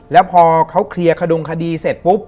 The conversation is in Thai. แล้วพอเขาเคลียร์ขดุงคดีเสร็จปุ๊บ